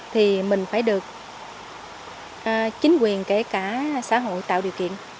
thì mình phải được chính quyền kể cả xã hội tạo điều kiện